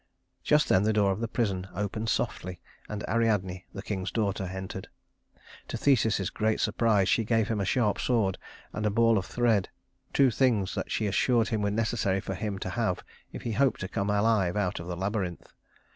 Just then the door of the prison opened softly, and Ariadne, the king's daughter, entered. To Theseus's great surprise she gave him a sharp sword and a ball of thread two things that she assured him were necessary for him to have if he hoped to come alive out of the labyrinth.